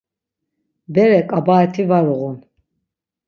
Bere ǩabaet̆i var uğun.